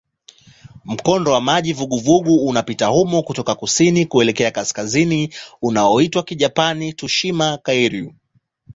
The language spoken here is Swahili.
Mkondo wa maji vuguvugu unapita humo kutoka kusini kuelekea kaskazini unaoitwa kwa Kijapani "Tsushima-kairyū".